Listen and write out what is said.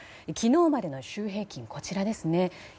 昨日までの週平均はこちらですね。